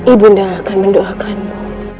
ibu nang akan mendoakanmu